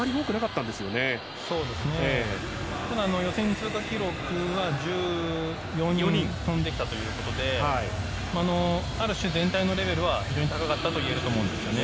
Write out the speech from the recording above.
ただ、予選の通過記録は１４人、跳んできたということである種、全体のレベルは非常に高かったといえると思いますね。